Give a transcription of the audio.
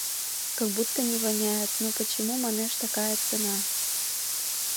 Как будто не воняет, но почему, манеш, такая цена?..